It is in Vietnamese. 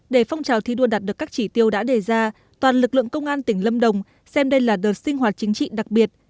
để phong trào thi đua đạt được các chỉ tiêu đã đề ra toàn lực lượng công an tỉnh lâm đồng xem đây là đợt sinh hoạt chính trị đặc biệt